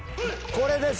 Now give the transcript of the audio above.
これです。